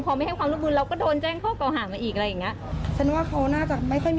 พอไม่ให้ความรู้มือเราก็โดนแจ้งเข้าเป้าหามาอีกอะไรอย่างนี้